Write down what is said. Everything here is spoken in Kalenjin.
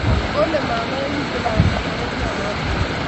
kole mamae mito bangik bororyono